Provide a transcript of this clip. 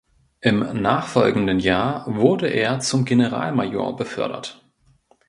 Im nachfolgenden Jahr wurde er zum Generalmajor befördert.